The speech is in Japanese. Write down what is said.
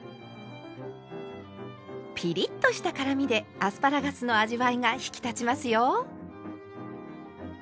ピリッとした辛みでアスパラガスの味わいが引き立ちますよ。